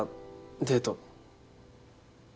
デート。